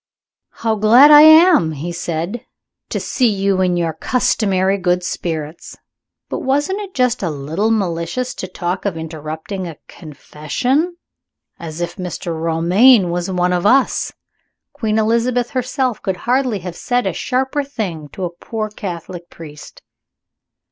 "How glad I am," he said, "to see you in your customary good spirits! But wasn't it just a little malicious to talk of interrupting a confession? As if Mr. Romayne was one of Us! Queen Elizabeth herself could hardly have said a sharper thing to a poor Catholic priest."